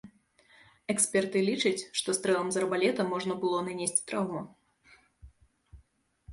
Эксперты лічаць, што стрэлам з арбалета можна было нанесці траўму.